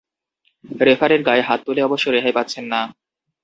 রেফারির গায়ে হাত তুলে অবশ্য রেহাই পাচ্ছেন না।